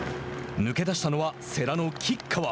抜け出したのは世羅の吉川。